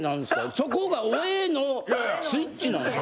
そこがオエッのスイッチなんですか？